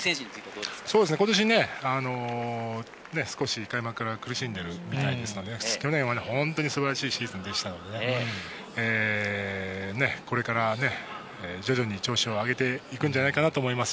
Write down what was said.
そうですね、ことしね、少し開幕から苦しんでるみたいですので、去年は本当にすばらしいシーズンでしたので、これから徐々に調子を上げていくんじゃないかなと思います。